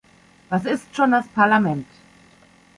Was ist schon das Parlament?